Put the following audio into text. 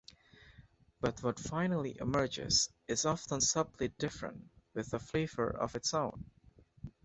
But what finally emerges is often subtly different, with a flavour of its own.